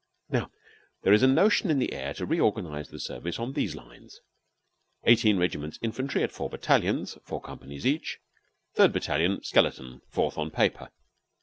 Now there is a notion in the air to reorganize the service on these lines: Eighteen regiments infantry at four battalions, four companies each; third battalion, skeleton; fourth on paper.